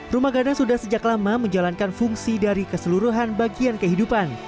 rumah gadang sudah sejak lama menjalankan fungsi dari keseluruhan bagian kehidupan